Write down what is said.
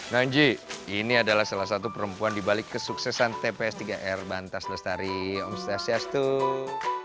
nanji ini adalah salah satu perempuan di balik kesuksesan tps tiga r bantas lestari om stasias tuh